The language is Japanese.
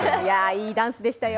いいダンスでしたよ。